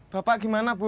bapak gimana bu